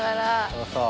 そうそう。